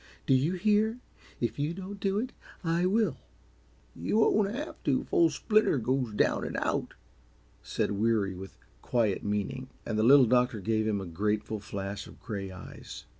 Do you hear? If you don't do it, I will!" "You won't have to, if old Splinter goes down and out," said Weary, with quiet meaning, and the Little Doctor gave him a grateful flash of gray eyes.